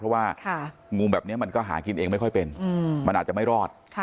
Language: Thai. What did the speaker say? เพราะว่างูแบบนี้มันก็หากินเองไม่ค่อยเป็นมันอาจจะไม่รอด